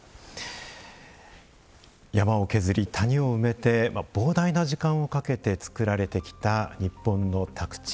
山を削り、谷を埋めて膨大な時間をかけて造られてきた日本の宅地。